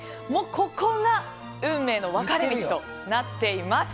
ここが運命の分かれ道となっています。